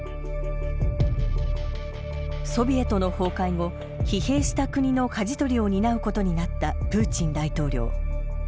ソビエトの崩壊後疲弊した国のかじ取りを担うことになったプーチン大統領。